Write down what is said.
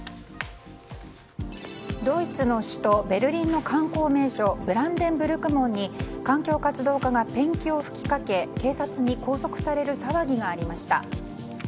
ドイツの首都ベルリンの観光名所、ブランデンブルク門に環境保護団体がペンキを吹きかけ警察に拘束される騒ぎがありました。